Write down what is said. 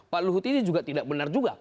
pak luhut ini juga tidak benar juga